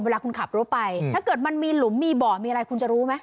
เวลาคุณขับรถไปถ้าเกิดมันมีหลุมมีบ่อมีอะไรคุณจะรู้ไหม